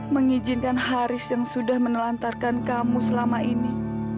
mengizinkan haris yang sudah menelantarkan kamu selama ini